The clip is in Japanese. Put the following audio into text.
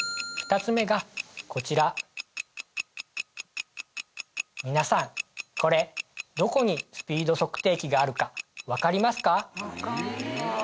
２つめがこちらみなさんこれどこにスピード測定器があるか分かりますか？